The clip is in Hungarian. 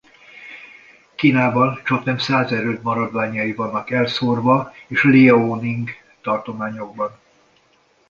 Kínában csaknem száz erőd maradványai vannak elszórva és Liaoning tartományokban.